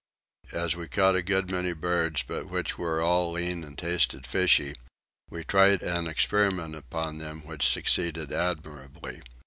As we caught a good many birds but which were all lean and tasted fishy we tried an experiment upon them which succeeded admirably.